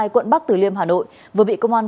quận bắc tử liêm hà nội vừa bị công an